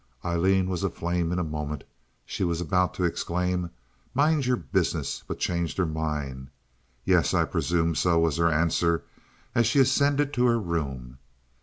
Aileen was aflame in a moment. She was about to exclaim: "Mind your business!" but changed her mind. "Yes, I presume so," was her answer, as she ascended to her room.